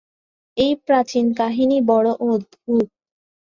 এ প্রাচীন কাহিনী বড় অদ্ভুত।